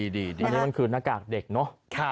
อันนี้มันคือหน้ากากเด็กเนอะ